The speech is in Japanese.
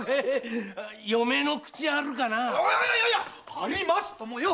ありますともよ！